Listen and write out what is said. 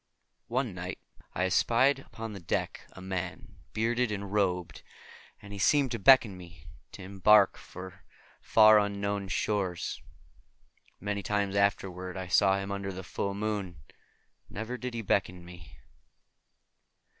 One night I espied upon the deck a man, bearded and robed, and he seemed to beckon me to embark for fair unknown shores. Many times afterward I saw him under the full moon, and ever did he beckon me.